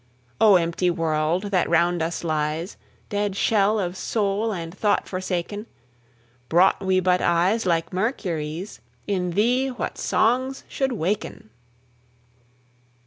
O empty world that round us lies, Dead shell, of soul and thought forsaken, Brought we but eyes like Mercury's, In thee what songs should waken!